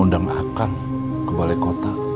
undang hakang ke balai kota